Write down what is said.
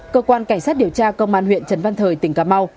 cơ quan cảnh sát điều tra công an huyện trần văn thời tỉnh cà mau